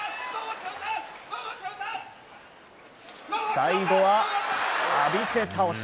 最後は浴びせ倒し。